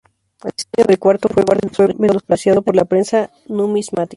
El diseño del cuarto fue menospreciado por la prensa numismática..